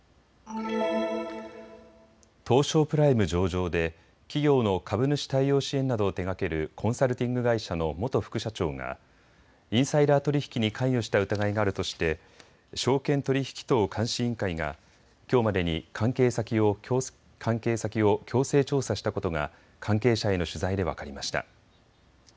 東証プライム上場で企業の株主対応支援などを手がけるコンサルティング会社の元副社長がインサイダー取引に関与した疑いがあるとして証券取引等監視委員会がきょうまでに関係先を強制調査したことが関係者への取材で分かりました。